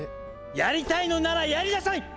やりたいのならやりなさい！